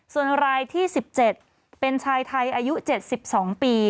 ส่วนรายที่๑๗เป็นชายไทยอายุ๗๒ปี